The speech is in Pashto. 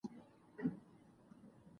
سانتیاګو له فاطمې سره ګوري.